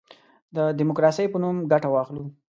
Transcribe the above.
د ډیموکراسی په نوم ګټه واخلو.